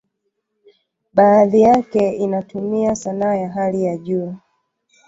Baadhi yake inatumia sanaa ya hali ya juu.